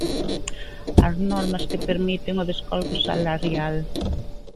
As normas que permiten o descolgue salarial.